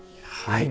はい。